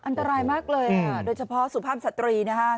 อันตรายมากเลยค่ะโดยเฉพาะสุภาพสตรีนะฮะ